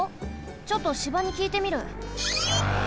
ちょっと芝にきいてみる。